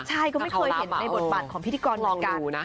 ใช่ก็ไม่เคยเห็นในบทบาทของพิธีกรวงการ